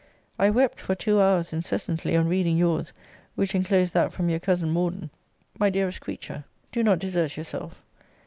I wept for two hours incessantly on reading your's, which enclosed that from your cousin Morden.* My dearest creature, do not desert yourself.